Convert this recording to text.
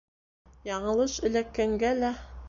— Яңылыш эләккәнгә лә...